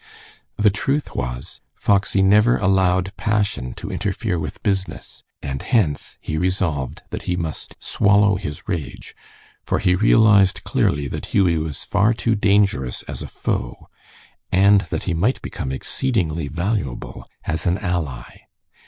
The truth was, Foxy never allowed passion to interfere with business, and hence he resolved that he must swallow his rage, for he realized clearly that Hughie was far too dangerous as a foe, and that he might become exceedingly valuable as an ally.